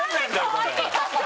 これ。